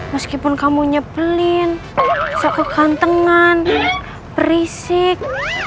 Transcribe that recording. meskipun kamu nyebelin sok kegantengan berisik